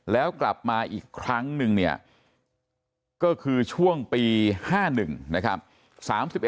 แล้วกลับมาอีกครั้งนึงเนี่ยก็คือช่วงปี๕๑นะครับ